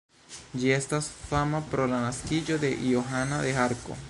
Ĝi estas fama pro la naskiĝo de Johana de Arko.